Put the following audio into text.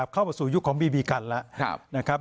เข้ามาสู่ยุคของบีบีกันแล้วนะครับ